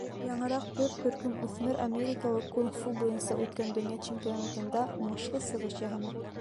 Яңыраҡ бер төркөм үҫмер Америкала кунг-фу буйынса үткән донъя чемпионатында уңышлы сығыш яһаны.